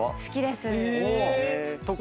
好きです。